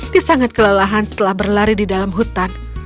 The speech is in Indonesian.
dia sangat kelelahan setelah berlari di dalam hutan